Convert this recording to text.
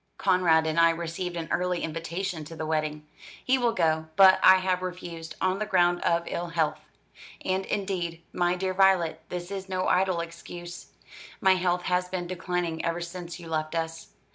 "Conrad and I received an early invitation to the wedding. He will go; but I have refused, on the ground of ill health. And, indeed, my dear Violet, this is no idle excuse. My health has been declining ever since you left us.